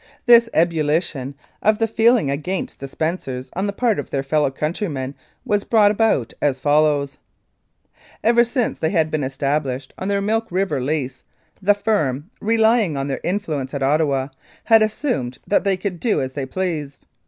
This ebullition of the feeling against the Spencers on the part of their fellow countrymen was brought about as follows : Ever since they had been established on their Milk River lease, the firm, relying on their influence at Ottawa, had assumed that they could do as they pleased.